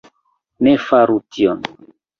Ne faru tion!